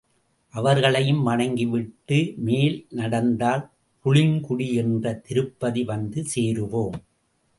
அவர்களையும் வணங்கிவிட்டு மேல் நடந்தால் புளிங்குடி என்ற திருப்பதி வந்து சேருவோம்.